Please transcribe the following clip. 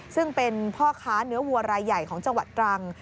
ซึ่งเป็นพ่อค้าเนื้อวัวรายใหญ่ของจังหวัดตรัง